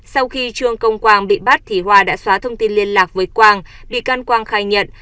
sau khi trương công quang bị bắt thì hoa đã xóa thông tin liên lạc với quang bị can quang khai nhận